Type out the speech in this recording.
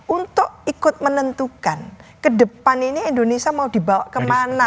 untuk ikut menentukan ke depan ini indonesia mau dibawa kemana